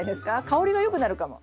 香りが良くなるかも。